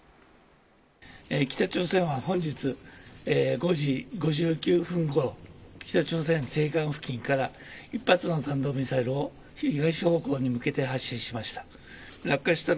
北朝鮮は本日５時５９分ごろ北朝鮮西岸付近から１発の弾道ミサイルを東方向に向けて発射しました。